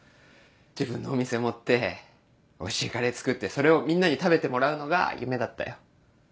自分のお店持っておいしいカレー作ってそれをみんなに食べてもらうのが夢だったよ。